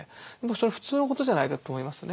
それは普通のことじゃないかと思いますね。